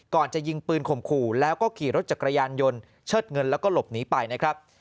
จะยิงปืนข่มขู่แล้วก็ขี่รถจักรยานยนต์เชิดเงินแล้วก็หลบหนีไปนะครับ